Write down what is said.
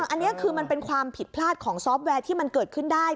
อันนี้คือมันเป็นความผิดพลาดของซอฟต์แวร์ที่มันเกิดขึ้นได้